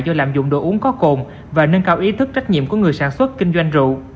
do lạm dụng đồ uống có cồn và nâng cao ý thức trách nhiệm của người sản xuất kinh doanh rượu